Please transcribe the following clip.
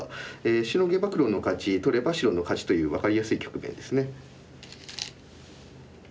シノげば黒の勝ち取れば白の勝ちという分かりやすい局面ですね。